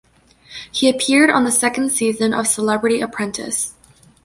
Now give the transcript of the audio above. He appeared on the second season of "Celebrity Apprentice".